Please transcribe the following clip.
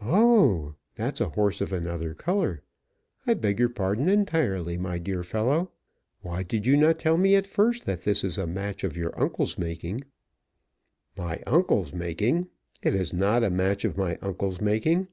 "Oh h! That's a horse of another colour. I beg your pardon entirely, my dear fellow. Why did you not tell me at first that this is a match of your uncle's making?" "My uncle's making! It is not a match of my uncle's making."